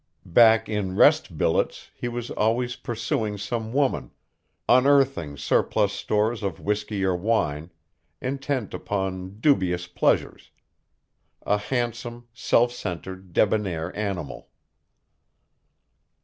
Back in rest billets he was always pursuing some woman, unearthing surplus stores of whisky or wine, intent upon dubious pleasures, a handsome, self centered debonair animal.